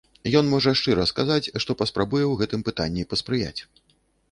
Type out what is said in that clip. Ён можа шчыра сказаць, што паспрабуе ў гэтым пытанні паспрыяць.